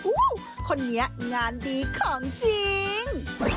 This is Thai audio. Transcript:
คนนี้งานดีของจริง